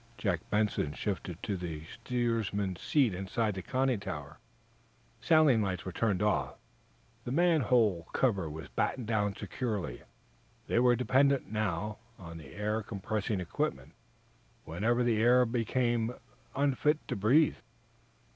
Jack Benson shifted to the steersman's seat inside the conning tower. Sailing lights were turned off; the manhole cover was battened down securely. They were dependent, now, on the air compressing equipment whenever the air aboard became unfit to breathe.